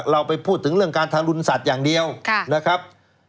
เรื่องการทารุณสัตว์อย่างเดียวนะครับ